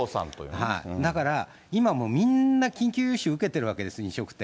だから、今もうみんな緊急融資受けてるわけです、飲食店。